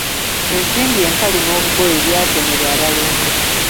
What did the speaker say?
Ensimbi enkalu n'obugoye byatonerwa abalongo.